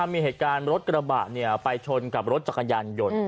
มีเหตุการณ์รถกระบะไปชนกับรถจักรยานยนต์